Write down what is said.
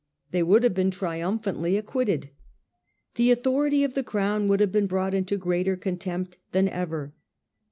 They would have been triumphantly acquitted. The authority of the Crown would have been brought into greater contempt than ever.